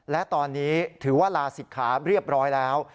และตอนนี้ถือว่าลาศิกขาเรียบร้อยแล้ว